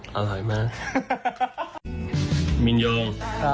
มาสัญญาก่อน